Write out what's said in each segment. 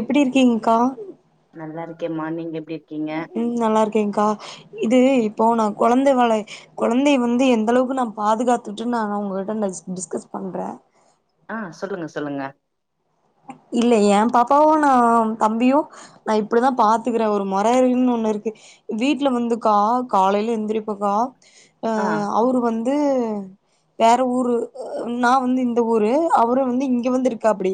எப்டி இருக்கீங்க்கா நல்லாருக்கே மா நீங்க எப்டியிருக்கீங்க ம் நல்லா இருக்கேங்க்கா இது இப்போ நா கொழந்த வேல கொழந்தைய வந்து எந்த அளவுக்கு நா பாதுகாத்துட்டு நா உங்ககிட்ட டிஸ்கஸ் பண்றே ஆ சொல்லுங்க சொல்லுங்க இல்ல ஏ பாப்பாவு நா தம்பியு நா இப்டிதா பாத்துக்குறே ஒரு மொறைனு ஒண்ணு இருக்கு வீட்ல வந்துக்கா காலையில எந்திரிப்பக்கா அ அவுரு வந்து வேற ஊரு நா வந்து இந்த ஊரு அவுரு வந்து இங்க வந்து இருக்காப்டி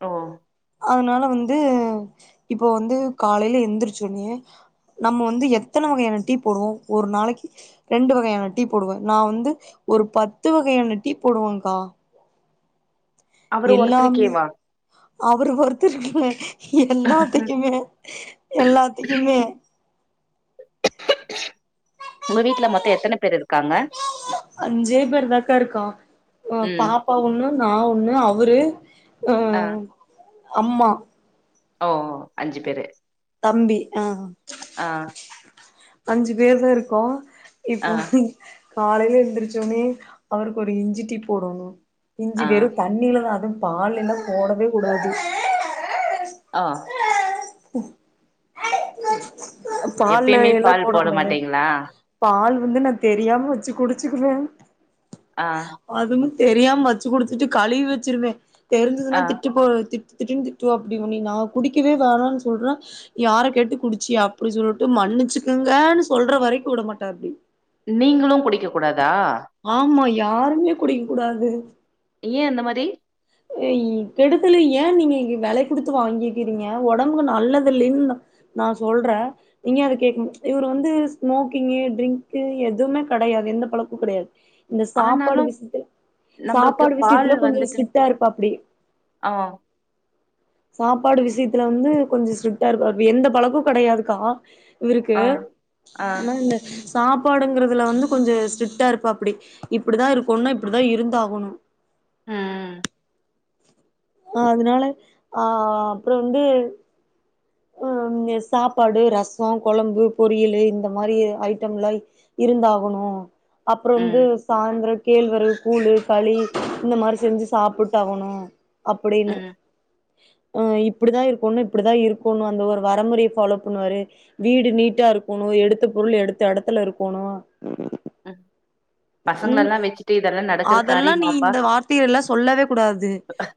ஓ அதனால வந்து இப்போ வந்து காலையில எந்திர்ச்ச ஒன்னியே நம்ம வந்து எத்தன வகையான டீ போடுவோ ஒரு நாளைக்கி ரெண்டு வகையான டீ போடுவே நா வந்து ஒரு பத்து வகையான டீ போடுவங்க்கா அவுரு ஒருத்துருக்கேவா அவுரு ஒருத்தருக்கு இல்ல எல்லாத்திக்குமே எல்லாத்திக்குமே உங்க வீட்ல மொத்தோ எத்தன பேர் இருக்காங்க அஞ்சே பேர்தாக்கா இருக்கோ ஒ ம் பாப்பா ஒண்ணு நா ஒண்ணு அவுரு அ அம்மா ஓ ஓ அஞ்சு பேரு தம்பி ஆ ஆ அஞ்சு பேரு தா இருக்கோ ஆ இப்போ காலையில எந்திரிந்ச்சொன்னே அவருக்கு ஒரு இஞ்சி டீ போடணு இஞ்சி ஆ வெறும் தண் ணியில தா அதும் பால்ல எல்லா போடவே கூடாது அ பால்ல எப்பயுமே எல்லா பால் போட போடக்கூடாது மாட்டீங்களா பால் வந்து நா தெரியாம வச்சு குடிச்சுக்குவே அ அதுமு தெரியாம வச்சு குடிச்சிட்டு கழுவி வச்சிருவே ஆ தெரிஞ்சதுன்னா திட்டுப்போ திட் திட்டு திட்டுன்னு திட்டுவாப்டி உன்னய நா குடிக்கவே வேணான்னு சொல்றே யார கேட்டு குடிச்சியா அப்டி சொல்ட்டு மன்னிச்சுக்கங்கன்னு சொல்ற வரைக்கு உட மாட்டாரு டி நீங்களும் குடிக்க கூடாதா ஆமா யாருமே குடிக்க கூடாது ஏன் அந்த மாறி ஏய் கெடுதலு ஏன் நீங்க வெல குடுத்து வாங்கிக்கீறீங்க ஒடம்புக்கு நல்லது இல்லைன்னு நா சொல்றே இங்க அவரு கேட்கணு இவரு வந்து ஸ்மோக்கிங்கு ட்ரின்கு எதுமே கெடையாது எந்த பழக்கம் கெடையாது இந்த சாப்பாடு ஆனாலு விஷயத்துல நம்பளுக்கு சாப்பாடு பால் விஷயத்துல கொஞ்சோ வந்துட்டு ஸ்ட்டிட்டா இருப்பாப்டி ஆ சாப்பாடு விஷயத்துல வந்து கொஞ்சோ ஸ்ட்டிட்டா இருப்பாப்டி எந்த பழக்கோ கிடையாதுக்கா இவருக்கு ஆ ஆ ஆனா இந்த சாப்பாடுங்கிறதுல வந்து கொஞ்சோ ஸ்ட்டிக்டா இருப்பாப்டி இப்படி தா இருக்கோணுன்னா இப்படி தா இருந்தாகணு அ அ அதனால ஆ அப்றோ வந்து அ எஸ் சாப்பாடு ரசோ கொழம்பு பொரியலு இந்த மாறி ஐட்டம்லா இருந்தாகணு அப்றோ ம் வந்து சாய்ந்திர கேழ்வரகு கூழு களி இந்த மாறி செஞ்சு சாப்பிட்டு ஆகணு அப்படின்னு ம் அ இப்படிதா இருக்கோன்னா இப்படிதா இருக் குன்னு வந்து ஒரு வரைமுறைய ஃபாலோ பண்ணுவாரு வீடு நீட்டா இருக்கணு எடுத்த பொருள் எடுத்த இடத்துல இருக்கணு ம் ம் பசங்களல்லா வச்சுட்டு இதெல்லா நடக்குற காரியமாப்பா கத்தியெல்லா சொல்லவே கூடாது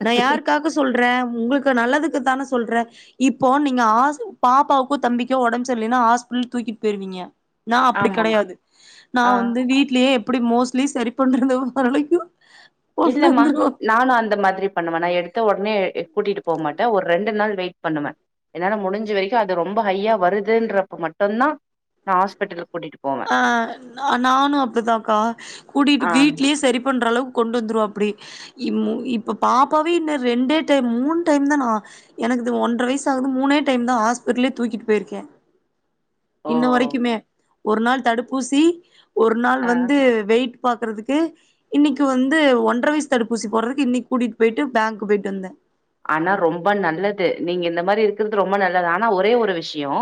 நா யாருக்காக சொல்றே உங்களுக்கு நல்லதுக்கு தான சொல்றே இப்போ நீங்க ஹாஸ் பாப்பாவுக்கு தம்பிக்கோ உடம்பு சரி இல்லைன்னா ஹாஸ்பிட்டல் தூக்கிட்டு போய்ருவீங்க நா அப்டி ஆமா கிடையாது நா ஆ வந்து வீட்லயே எப்டி மோஸ்ட்லி சரி பண்றது வரைக்கு கொண்டு இல்லம்மா வந்துருவோ நானு அந்த மாதிரி பண்ணுமான நா எடுத்த உடனே கூட்டிட்டு போக மாட்டே ஒரு ரெண்டு நாள் வெயிட் பண்ணுவே என்னால முடிஞ்ச வரைக்கு அது ரொம்ப ஹையா வருதுன்றப மட்டுந்தா நா ஹாஸ்பிட்டலுக்கு கூட்டிட்டு போவே ஆ நானு அப்டிதான்க்கா கூட்டிகிட்டு ஆ வீட்லயே செரி பண்ற அளவுக்கு கொண்டு வந்துருவ அப்டி இப்போ பாப்பாவே இன்னு ரெண்டே டைம் மூணு டைம் தா நா எனக்குது ஒன்ற வயசு ஆகுது மூணே டைம் தா ஹாஸ்பிடலே தூக்கிட்டு போய்ருக்கே ஓ இன்ன வரைக்குமே ஒரு நாள் தடுப்பூசி ஒரு நாள் ஆ வந்து வெயிட் பாக்குறதுக்கு இன்னைக்கு வந்து ஒன்ற வயசு தடுப்பூசி போட்றதுக்கு இன்னைக்கு கூட்டிகிட்டு போயிட்டு பேங்க்கு போய்ட்டு வந்தே ஆனா ரொம்ப நல்லது நீங்க இந்த மாரி இருக்கிறது ரொம்ப நல்லது ஆனா ஒரே ஒரு விஷயோ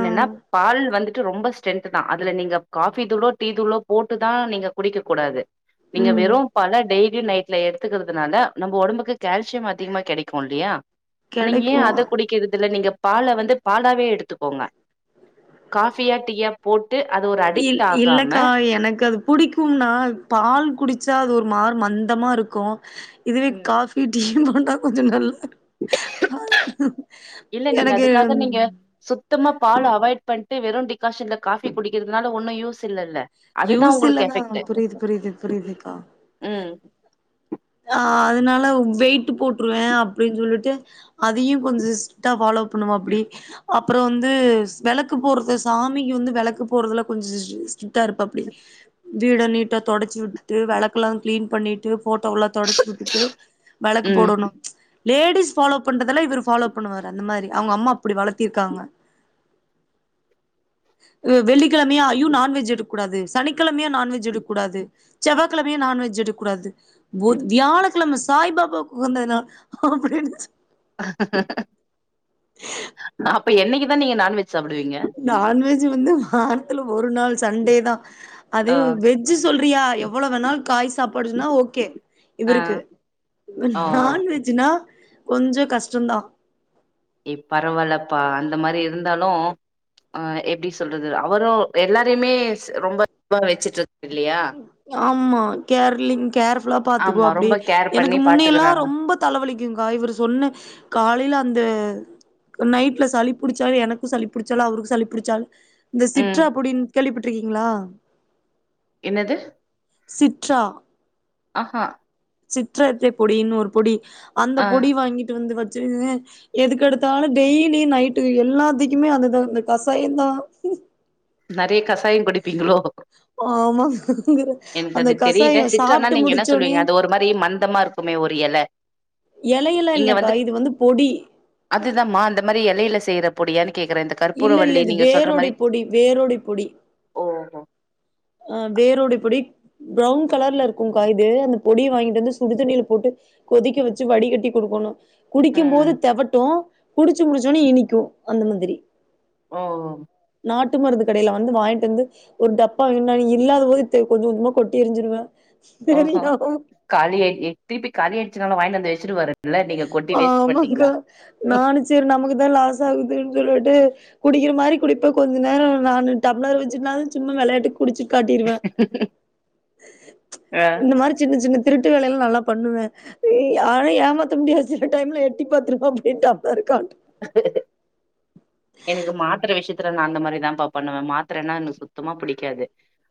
ஆ ப் பால் வந்துட்டு ரொம்ப ஸ்ட்ரென்த் தா அதுல நீங்க காபி துளோ டீ துளோ போட்டுதா நீங்க குடிக்க கூடாது நீங்க ம் வெறு பால டெய்லியு நைட்ல எடுத்துக்கறதுனால நம்ப ஒடம்புக்கு கால்சியம் அதிகமா கெடைக்கு இல்லியா நீங்க ஏ கெடைக்கு அத குடிக்கறதில நீங்க பால வந்து பாலாவே எடுத்துக்கோங்க காஃபியா டீயா போட்டு அது ஒரு அடிக்ட் இல் ஆகாம இல்லக்கா எனக்கு அது புடிக்கும்னா பால் குடிச்சா அது ஒரு மார் மந்தமாருக்கு இதுவே ம். காஃபி டீயு போன்டா கொஞ்சோ நல்லாருக்கு இல்ல நீங்க எனக்கு அதுக்காக நீங்க சுத்தமா பால் அவாய்ட் பண்ட்டு வெறு டிகாஷன்ல காஃபி குடிக்றதுனால ஒன்னு யூஸ் இல்லல்ல அதுதா யூஸ் இல்ல உங்களுக்கு தா எஃபெக்ட்டு புரிது புரிது புரிதுக்கா ம் ஆ அதனால வெயிட் போட்ருவே அப்டின்னு சொல்லிட்டு அதையு கொஞ்சோ ஸ்டிரிட்டா ஃபாலோ பண்ணுவோ அப்டி அப்றோ வந்து வெளக்கு போறது சாமிக்கு வந்து வெளக்கு போறதுல கொஞ்சோ ஸ் டிரிட்டா இருப்பாப்டி வீட நீட்டா தொடச்சி விட்டுட்டு வெளக்கெல்லா க்ளீன் பண்ணிட்டு போட்டோல்லா தொடச்சு விட்டுட்டு வெளக்கு ம் போடணு லேடிஸ் ஃபாலோ பண்றதெல்ல இவர் ஃபாலோ பண்ணுவாரு அந்த மாரி அவங்கம்மா அப்டி வளத்திருக்காங்க வெள்ளிக்கெழமையா ஐயோ நான்வெஜ் எடுக் கூடாது சனிக்கெழமையா நான்வெஜ் எடுக்கூடாது செவ்வாகெழமையா நான்வெஜ் எடுக்கூடாது புத் வியாழக்கிழம சாய் பாபாக்கு உகந்தநாள் அப்டினு சொல் அப்ப என்னைக்கு தா நீங்க நான்வெஜ் சாப்டுவீங்க நான்வெஜ் வந்து வாரத்ல ஒரு நாள் சண்டே தா அது ஆ வெஜ் சொல்றியா எவ்ளோ வேணாலு காய் சாப்பாடுன்னா ஓகே ஆ இவருக்கு ஓ நான்வெஜ்னா கொஞ்சோ கஷ்டந்தா ஏ பரவால்லப்பா அந்த மாரி இருந்தாலு ஆ எப்டி சொல்றது அவரு எல்லாரையுமே ரொம்ப ரொம்ப வச்சுட்டு இரு ஆமா கேர்லிங் கேர்ஃபுல்லா ஆமா பாத்துக்குவாப்டி ரொம்ப கேர் எனக்கு பண்ணி முன்னையெல்லா பாத்துக்குறாங்க ரொம்பத் தலவலிக்குங்கா இவரு சொன்ன காலைல அந்த நைட்ல சளி புடிச்சாவே எனக்கு சளி புடிச்சாலு அவருக்கு சளி புடிச்சாலு இந்த ம் சிட்ற்றா பொடின் கேள்விப்பட்ருக்கீங்ளா என்னது சிட்ற்றா அ ஹா சிட்ற்றத்தை பொடின்னு ஒரு பொடி அந்த ஆ பொடி வாங்கிட்டு வந்து வச்சு எதுக்கெடுத்தாலு டெய்லி நைட்டு எல்லாத்திக்குமே அதுதா அந்த கசாயோந்தா நெறைய கஷாயோ குடிப்பீங்ளோ ஆமாங்கற எனக்கு அந்த அது தெரில கசாயோ சிட்ற்றன்னா சாப்ட்டு நீங்க என்ன முடிச்சோனே சொல்வீங்க அது ஒரு மாரி மந்தமா இருக் க்குமே ஒரு எல எலையிலா இல்லக்கா இது வந்து பொடி அதுதாமா அந்த மாரி எலையில செய்ற பொடியான்னு கேக்குறே இந்த இல்ல கற்பூரவள்ளி இல்ல இது நீங்க வேரோட பொடி வேரோட பொடி ஓ ஹோ ஆ வேரோடைய பொடி ப்ரௌன் கலர்ல இருக்கு கா இது அந்த பொடிய வாங்கிட்டு வந்து சுடுதண்ணில போட்டு கொதிக்க வச்சு வடிகட்டி கொடுக்கனு குடிக்கும் போது ம் தெவட்டு குடிச்சு முடிச்சோனே இனிக்கு அந்த மாதிரி ஓ ஓ நாட்டு மருந்து கடையில வந்து வாங்கிட்டு வந்து ஒரு டப் ப்பா என்ன நீ இல்லாத போது கொஞ்ச கொஞ்சமா கொட்டி எருஞ்சிருவ ஓஹோ காலியாயிர்சு திருப்பி காலி ஆயிச்சுனால வாங்கிட்டு வந்து வச்ருவாரு ஆமாக்கா நானு செரி நமக்குதா லாஸ் ஆகுதுன்னு சொல்லிட்டு குடிக்கிற மாரி குடிப்ப கொஞ்ச நேரோ நானு டம்ளர் வச்சிட்டுனாலு சும்மா வெளையாட்டுக்கு குடிச்சு காட்டிருவேச் ஆ இந்த மாரி சின்ன சின்ன திருட்டு வேல எல்லா நல்லா பண்ணுவே யாரயு ஏமாத்த முடியா சில டைம்ல எட்டி பாத்துருவ அப்ப இருக்க [inaudible] எனக்கு மாத்திர விஷயத்துல நா அந்த மாதிரிதா பா பண்ணுவே மாத்திரன்னா எனக்கு சுத்தமா புடிக்காது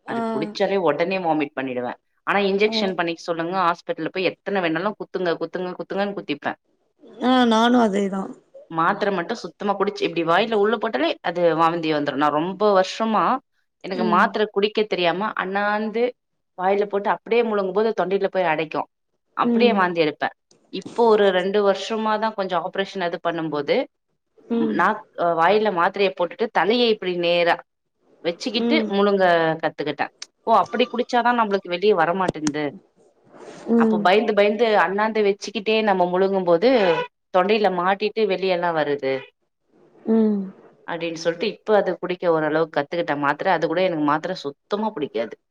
அது ஆ குடிச்சாலே உடனே வாமிட் பண்ணிடுவே ஆனா ஓ இன்ஜெக்க்ஷன் பண்ணிக்க சொல்லுங்க ஹாஸ்பிட்டல்ல போய் எத்தன வேணாலு குத்துங்க குத்துங்க குத்துங்கன்னு குத்திப்பே ஆ நானு அதே தா மாத்திர மட்டு சுத்தமா குடிச்சு அப்டி வாயில் உள்ள போட்டாலே அது வாந்தி வந்துரு நா ரொம்ப வருஷமா எனக்கு ம் மாத்திர குடிக்க தெரியாம அண்ணாந்து வாயில போட்டு அப்டியே முழங்கு போது தொண்டையில போய் அடைக்கு அப்டியே ம் வாந்தி எடுப்பே இப்போ ஒரு ரெண்டு வருஷமாதா கொஞ்சோ ஆப்ரேஷன் அது பண்ணு போது ம் நா வாயில மாத்திரய போட்டுட்டு தலைய இப்படி நேரா வச்சுக்கிட்டு ம் முழுங் கத்துக்கிட்டே ஓ அப்டி குடிச்சாதா நம்மளுக்கு வெளியே வரமாட்டேங்குது அப்போ ம் பயந்து பயந்து அண்ணாந்து வச்சுக்கிட்டே நம்ம முழுங்கு போது தொண்டையில மாட்டிட்டு வெளிய எல்லா வருது ம் அப்டின்னு சொல்லிட்டு இப்ப அது பிடிக்க ஓரளவுக்கு கத்துக்கிட்ட மாத்திர அது கூட எனக்கு மாத்திர சுத்தமா பிடிக்காது [inaudible]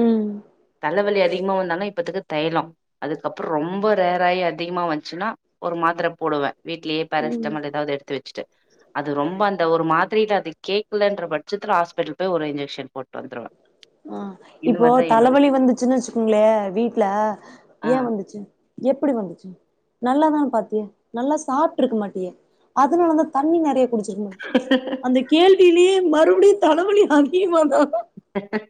ம் தலவலி அதிகமா வந்தாலு இப்பத்துக்கு தைலோ அதுக்கப்புற ரொம்ப ரேராயி அதிகமா வந்துச்சுன்னா ஒரு மாத்திர போடுவே வீட்லயே ம் பாராசிட்டமால் ஏதாவது எடுத் த்து வச்சுட்டே அது ரொம்ப அந்த ஒரு மாத்தரையில அது கேக்கலன்ற பட்சத்துல ஆஸ்பிட்டல போய் ஒரு இன்ஜக்க்ஷன் போட்டு வந்துருவே ஆ இந்த இப்போ மாரிதா என்னோட தலைவலி வந்துச்சுன்னு வச்சுக்கோங்களே வீட்ல ஆ ஏ வந்துச்சு எப்டி வந்துச்சு நல்லாதா பாத்தியே நல்லா சாப்ட்டுருக்க மாட்டியே அதுனால தா தண்ணி நெறைய குடிச்சுருக்கனு அந்த கேள்வியிலயே மறுபடியு தலவலி அதிகமா தா எ [unintelligible]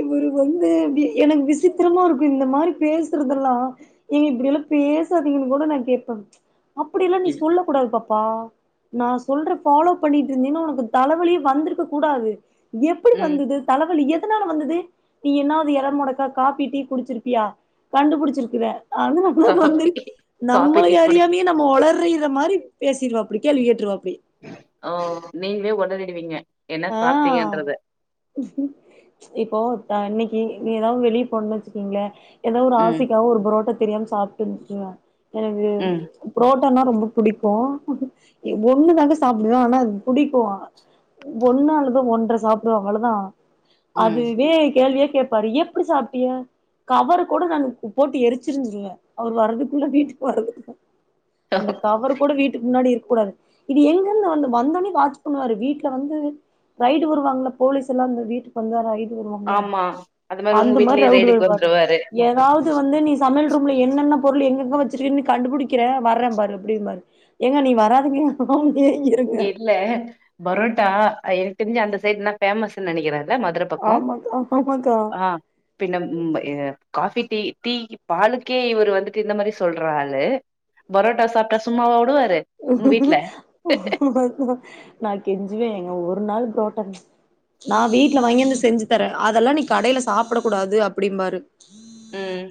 இவரு வந்து எனக்கு விசித்திரமா இருக்கு இந்த மாரி பேசுறதெல்லா எங்க இப்படி எல்லா பேசாதீங்கன்னு கூட நா கேப்பே அப்படியெல்லா நீ சொல்ல கூடாது பாப் பாவ் நா சொல்ற ஃபாலோ பண்ணிட்டு இருந்தினா ஒனக்கு தலவலியே வந்திருக்க கூடாது எப்பிடி ம் வந்தது தலவலி எதுனால வந்துது நீ இன்னாவது எரர் மொடக்கா காப்பி டீ குடிச்சிருப்பியா கண்டுபுடுச்சுருக்குற அழுவ தா காபி வந்துரு காபி டீ நம்மளய குடிச் அறியாமயே நம்ம உளறீர்ற மாரி பேசிடுவாப்படி கேள்வி கேட்ருவாப்டி ஓ நீங்களே உளறீருடுவீங்க என்ன ஆ சாப்பிட்டீங்கன்றத இப்போ தா இன்னைக்கு நீ ஏதாவது வெளிய போணுன்னு வச்சுக்குங்களே எதா ஒரு ம் ஆசைக்காக ஒரு புரோட்டா தெரியாம சாப்டேன் வச்சுக்குங்களே எனக்கு ம் புரோட்டனா ரொம்ப புடிக்கு எ ஒண்ணு தாங்க சாப்பிடறோ ஆனா அது புடிக்கு ஒண்ணு அல்லது ஒன்றை சாப்பிடுவே அவ்ளதா ம் அதுவே கேள்வியா கேப்பாரு எப் ப்பிடி சாப்டியா கவரு கூட நானு போட்டு எரிச்சுருஞ்சுருவே அவரு வர்றதுக்குள்ள வீட்டுக்கு வரதுக்குள்ள அந்த கவர் கூட வீட்டுக்கு முன்னாடி இருக் கூடாது இது எங்கிருந்து வந்து வந்தோனே வாட்ச் பண்ணுவாரு வீட்டு ட்ல வந்து ரைடு வருவாங்கள போலீஸ் எல்லா அந்த வீட்டுக் வந்தா ரைடு வருவாங்கல ஆமா அது உங்க அந்த மாரி வீட்லயே ரவுண்டு ரெய்டுக்கு வருவாரு வந்துருவாரு ஏதாவது வந்து நீ சமையல் ரூம்ல என்னென்ன பொருள் எங்கெங்க வச்சிருக்கேனு கண்டுபிடிக்கிறே வரே பாரு அப்டின் பாரு ஏங்க நீ வராதிங்கக [unintelligible] எட்ல பரோட்டா எனக் தெரிஞ்சு அந்த சைட்னா ஃபேமஸ்ன்னு நெனைக்கிறே ன மதுர பக்கோ ஆமாக்கா ஆமாக்கா ஆ பின்ன ம் ப எ காஃபி டீ டீ பாலுக்கே இவரு வந்துட்டு இந்த மாரி சொல்ற ஆளு போரோட்டா சாப்ட்டா சும்மாவா உடுவாரு உங்க வீட்ல நா கெஞ்சுவே ஏங்க ஒரு நாள் தோட்டம் நா வீட்ல வாங்கியாந்து செஞ்சு தரே அதெல்லா நீ கடைல சாப்பிட கூடாது அப்படி பாரு ம்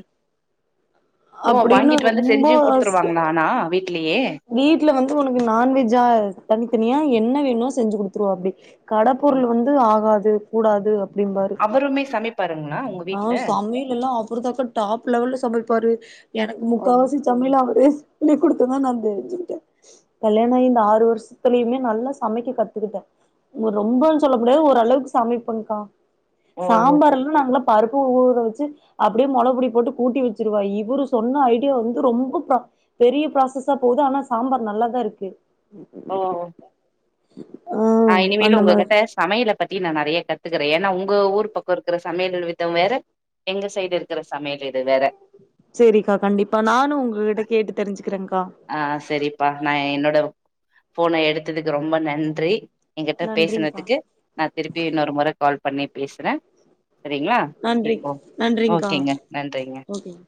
ஓ அப்டின்னு வாங்கிட்டு வந்து ரொம்ப செஞ்சு குடுத்துருவாங்களா அணா வீட்லயே வீட்ல வந்து உனக்கு நான் வெஜ்ஜா தனித்தனியா என்ன வேணு செஞ்சு குடுத்துருவாப்டி கட ஓ பொருள் வந்து ஆகாது கூடாது அப்டி பாரு அவருமே சமைப்பாருங்ளா உங்க ஆ வீட்ல சமையல் எல்லா அவரு தாக்கா டாப் லெவல்ல சமைப்பாரு எனக்கு ஓ முக்காவாசி சமிலா அவரு சொல்லி குடுத்துதா நா தெரிஞ்சுக்கிட்டே கல்யாண ஆயி இந்த ஆறு வருஷத்துலயுமே நல்லா சமைக்க கத்துக்கிட்டே ஒ ரொம்பு சொல்ல முடியாது ஓரளவுக்கு சமைப்பேன்கா ஓ சாம்பார் எல்லா நாங்களா பருப்பு ஊர வச்சு அப்டியே மொளகுபொடி போட்டு கூட்டி வச்சருவா இவரு சொன்ன ஐடியா வந்து ரொம்ப கா பெரிய ப்ராசஸா போகுது ஆனா சாம்பார் நல்லாதா இருக்கு ஆ நா இனி மேலுங்க அந்த உங்க மாரி கிட்ட சமையலை பத்தி நா நறைய கத்துக்கறே ஏன்னா உங்க ஊர் பக்கோ இருக்குற சமையல் வித்தோ வேற எங்க சைடு இருக்கற சமையல் விதோ வேற சேரிக்கா கண்டிப்பா நானு உங்ககிட்ட கேட்டு தெரிஞ்சிக்கிறேகா ஆ செரிப்பா நா என்னோட ஃபோன எடுத்ததுக்கு ரொம்ப நன்றி எங்கிட்ட நன்றிங்க்கா பேசனதுக்கு நா திருப்பி இன்னொரு முற கால் பண்ணி பேசுறே செரிங்களா நன்றி இப்போ நன்றிங்க்கா ஓகேங்க நன்றிங்க ஓகேங்க